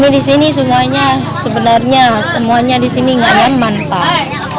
di sini semuanya sebenarnya semuanya di sini nggak nyaman pak